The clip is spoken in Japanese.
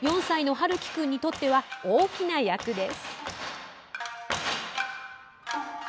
４歳の陽喜君にとっては大きな役です。